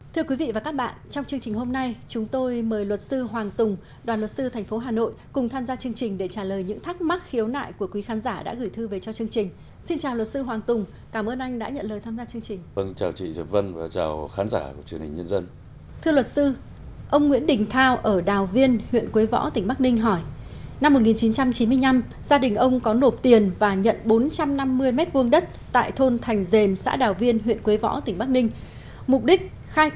thưa quý vị và các bạn trong chương trình hôm nay chúng tôi mời luật sư hoàng tùng đoàn luật sư thành phố hà nội